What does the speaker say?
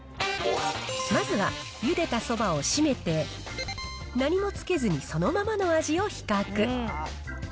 まずはゆでたそばを締めて、何もつけずにそのままの味を比較。